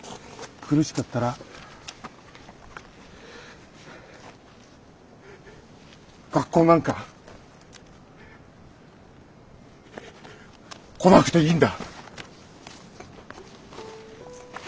苦しかったら苦しい時は学校なんか来なくていいんだ。